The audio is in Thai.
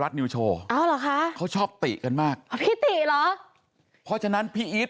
รัฐนิวโชว์เขาชอบติกันมากพี่ติหรอเพราะฉะนั้นพี่อีท